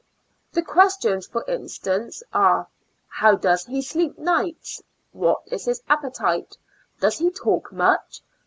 The questions for instance are: "How does he sleep nights ?" "What is his appetite?" "Does he talk much?"